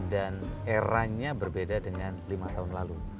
dan eranya berbeda dengan lima tahun lalu